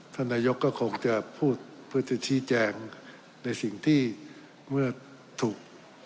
ท่านนายกก็คงจะพูดเพื่อจะชี้แจงในสิ่งที่เมื่อถูก